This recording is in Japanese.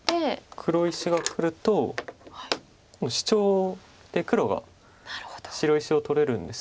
黒石がくるとシチョウで黒が白石を取れるんです。